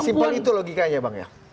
simpel itu logikanya bang ya